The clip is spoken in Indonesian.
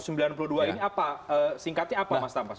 singkatnya apa mas tapa sebetulnya